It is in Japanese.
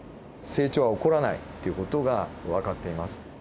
成長が起こらないっていう事がわかっています。